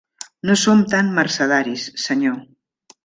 No som tan mercedaris, senyor.